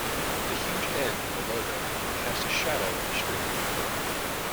The huge N on the logo cast a shadow in the street.